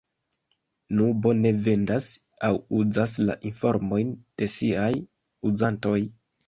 Nubo ne vendas aŭ uzas la informojn de siaj uzantoj.